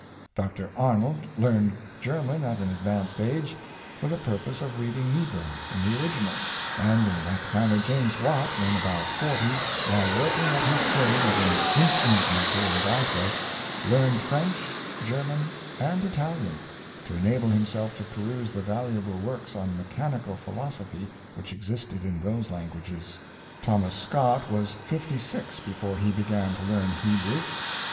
Dr. Arnold learned German at an advanced age, for the purpose of reading Niebuhr in the original; and in like manner James Watt, when about forty, while working at his trade of an instrument maker in Glasgow, learned French, German, and Italian, to enable himself to peruse the valuable works on mechanical philosophy which existed in those languages. Thomas Scott was fifty Illustrious Dunces. 327 six before he began to learn Hebrew.